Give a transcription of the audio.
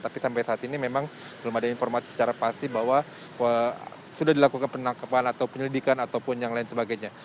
tapi sampai saat ini memang belum ada informasi secara pasti bahwa sudah dilakukan penangkapan atau penyelidikan ataupun yang lain sebagainya